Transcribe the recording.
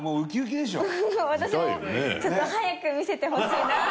私もちょっと早く見せてほしいなって。